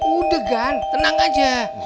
udah gan tenang aja